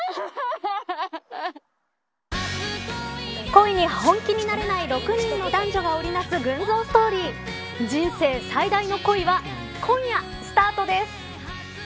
恋に本気になれない６人の男女が織りなす群像ストーリー人生最大の恋は今夜、スタートです。